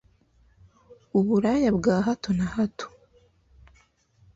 uburaya bwa hato nahato